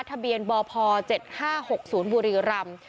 ทะเบียนบพ๗๕๖๐บุรีรำ